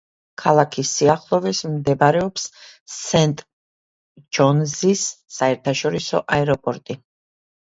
ქალაქის სიახლოვეს მდებარეობს სენტ-ჯონზის საერთაშორისო აეროპორტი.